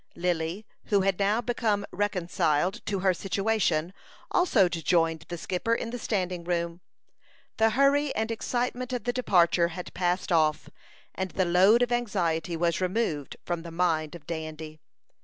Lily, who had now become reconciled to her situation, also joined the skipper in the standing room. The hurry and excitement of the departure had passed off, and the load of anxiety was removed from the mind of Dandy.